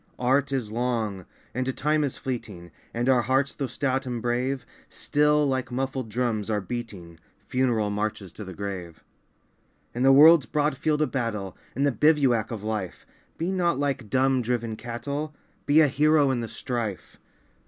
Art is long, and Time is fleeting, And our hearts, though stout and brave, Still, like muffled drums, are beating Funeral marches to the grave. In the world's broad field of battle, In the bivouac of Life, Be not like dumb, driven cattle ! Be a hero in the strife